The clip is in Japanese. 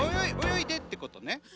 およいでってことね。